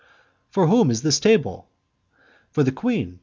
"For whom is this table?" "For the queen.